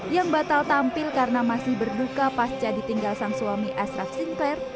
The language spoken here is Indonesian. yang batal tampil karena masih berduka pasca ditinggal sang suami ashraf sinklair